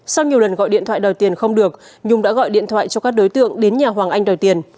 sau nhiều lần gọi điện thoại đòi tiền không được nhung đã gọi điện thoại cho các đối tượng đến nhà hoàng anh đòi tiền